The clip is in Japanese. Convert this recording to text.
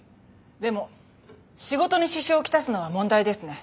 でも仕事に支障を来すのは問題ですね。